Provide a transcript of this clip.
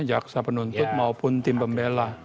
jaksa penuntut maupun tim pembela